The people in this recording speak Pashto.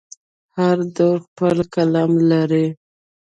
هر دور خپل قلم لري.